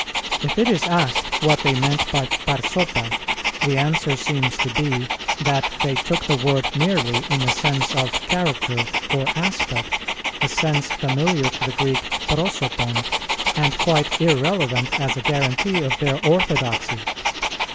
If it is asked what they meant by parsopa, the answer seems to be, that they took the word merely in the sense of character or aspect, a sense familiar to the Greek prosopon, and quite irrelevant as a guarantee of their orthodoxy.